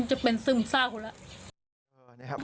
เหงาจนจะเป็นซึมเศร้าแล้ว